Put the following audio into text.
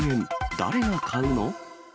誰が買うの？